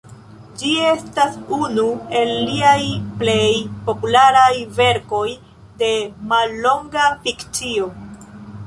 Ĝi estas unu el liaj plej popularaj verkoj de mallonga fikcio.